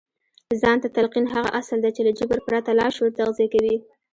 ځان ته تلقين هغه اصل دی چې له جبر پرته لاشعور تغذيه کوي.